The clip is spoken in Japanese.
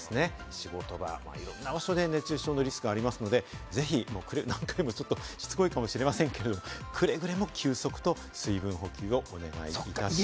仕事場、いろんな場所で熱中症のリスクがあるので、しつこいかもしれませんけど、くれぐれも休息と水分補給をこまめにお願いします。